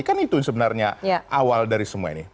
kan itu sebenarnya awal dari semua ini